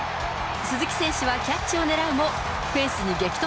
鈴木選手はキャッチを狙うもフェンスに激突。